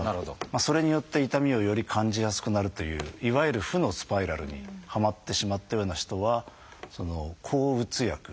それによって痛みをより感じやすくなるといういわゆる負のスパイラルにはまってしまったような人は抗うつ薬気分を変えるような薬。